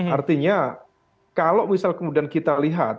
artinya kalau misal kemudian kita lihat